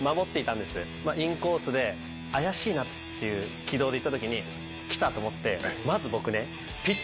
インコースで怪しいなっていう軌道で行った時に「来た！」と思ってまず僕ね。